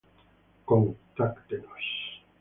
Contáctenos